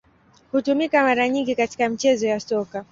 Hutumika mara nyingi katika michezo ya Soka.